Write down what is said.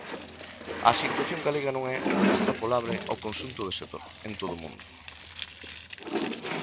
A situación galega non é extrapolable ao conxunto do sector en todo o mundo.